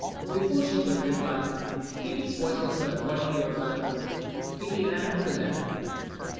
Before she could reply, Kitty's voice was heard calling to her mother Kitty ran up to them.